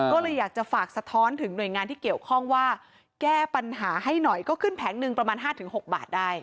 ก็เลยอยากจะฝากสะท้อนถึงหน่วยงานที่เกี่ยวข้องว่าแก้ปัญหาให้หน่อยก็ขึ้นแผงหนึ่งประมาณ๕๖บาทได้